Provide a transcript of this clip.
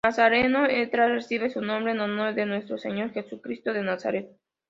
Nazareno Etla Recibe su nombre en honor de nuestro Señor Jesucristo de Nazaret.